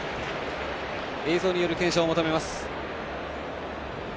映像による検証を求めます。